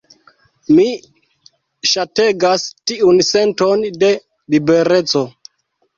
Mi ŝategas tiun senton de libereco.